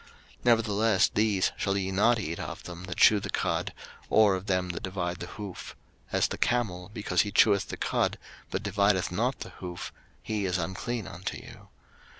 03:011:004 Nevertheless these shall ye not eat of them that chew the cud, or of them that divide the hoof: as the camel, because he cheweth the cud, but divideth not the hoof; he is unclean unto you.